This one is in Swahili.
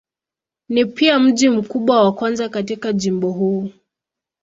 Ni pia mji mkubwa wa kwanza katika jimbo huu.